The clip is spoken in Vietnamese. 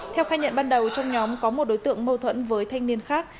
theo khai nhận ban đầu trong nhóm có một đối tượng mâu thuẫn với thanh niên khác